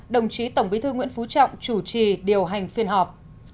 đồng chí tổng bí thư nguyễn phú trọng chủ trì điều hành phiên họp